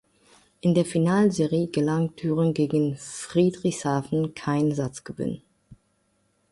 In der Finalserie gelang Düren gegen Friedrichshafen kein Satzgewinn.